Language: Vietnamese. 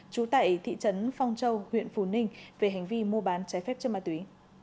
giữ tại thị trấn phong châu huyện phù ninh về hành vi mua bán trái phép cho ma túy